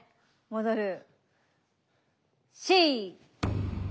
戻る。